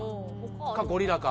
かゴリラか。